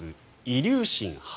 イリューシン８０。